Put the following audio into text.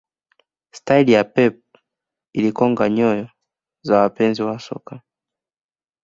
staili ya pep ilikonga nyoyo za wapenzi wa soka